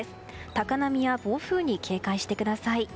高波や暴風に警戒してください。